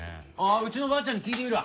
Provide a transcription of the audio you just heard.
うちのばあちゃんに聞いてみるわ。